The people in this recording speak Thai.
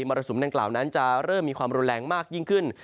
รสุมดังกล่าวนั้นจะเริ่มมีความรุนแรงมากยิ่งขึ้น